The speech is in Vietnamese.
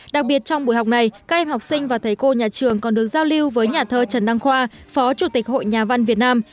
đặc biệt trong buổi học này các em học sinh và thầy cô nhà trường còn được giao lưu với nhà thơ trần đăng khoa phó chủ tịch hội nhà văn việt nam